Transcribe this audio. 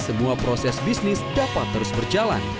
semua proses bisnis dapat terus berjalan